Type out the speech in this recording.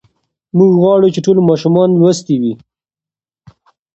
موږ غواړو چې ټول ماشومان لوستي وي.